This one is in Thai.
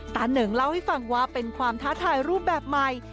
เหนิงเล่าให้ฟังว่าเป็นความท้าทายรูปแบบใหม่